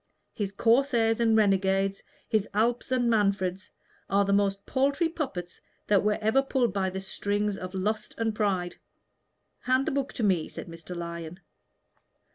His corsairs and renegades, his Alps and Manfreds, are the most paltry puppets that were ever pulled by the strings of lust and pride." "Hand the book to me," said Mr. Lyon.